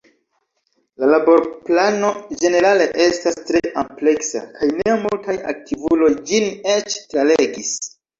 La laborplano ĝenerale estas tre ampleksa, kaj ne multaj aktivuloj ĝin eĉ tralegis.